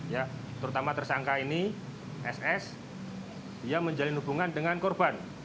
ya terutama tersangka ini ss dia menjalin hubungan dengan korban